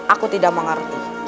aku tidak mengerti